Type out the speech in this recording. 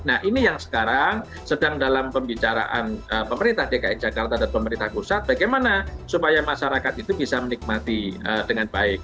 nah ini yang sekarang sedang dalam pembicaraan pemerintah dki jakarta dan pemerintah pusat bagaimana supaya masyarakat itu bisa menikmati dengan baik